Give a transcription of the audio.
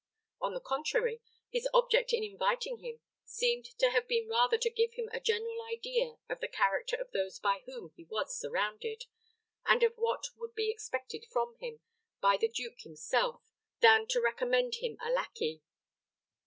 On the contrary, his object in inviting him seemed to have been rather to give him a general idea of the character of those by whom he was surrounded, and of what would be expected from him by the duke himself, than to recommend him a lackey.